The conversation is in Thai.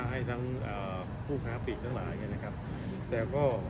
ให้ทั้งผู้ค้าฝีกทั้งหลายอย่างนี้นะครับ